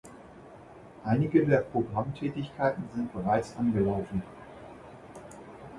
Einige der Programmtätigkeiten sind bereits angelaufen.